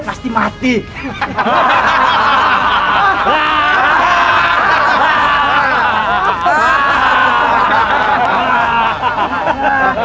dpr deh pr marrying you